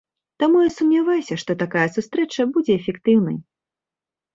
Таму я сумняваюся, што такая сустрэча будзе эфектыўнай.